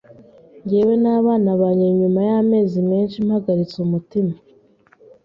jyewe n’abana banjye nyuma y’amezi menshi mpagaritse umutima.